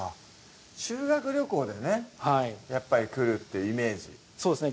修学旅行でねやっぱり来るってイメージそうですね